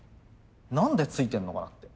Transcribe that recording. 何でついてんのかなって。